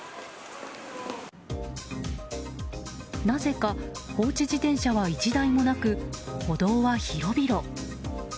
なぜか放置自転車は１台もなく歩道は広々。